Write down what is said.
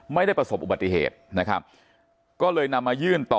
ไม่ได้ประสบอุบัติเหตุนะครับก็เลยนำมายื่นต่อ